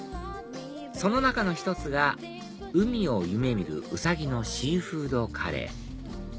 その中の１つが海を夢見るウサギのシーフードカレー